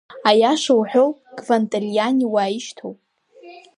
Аиаша уҳәоу, Кванталиани уааишьҭу?